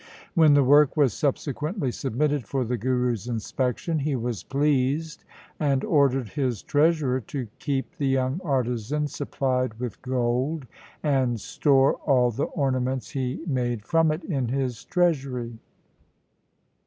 When the work was subsequently submitted for the Guru's inspection he was pleased, and ordered his treasurer to keep the young artisan supplied with gold, and store all the ornaments he made from it in his treasury.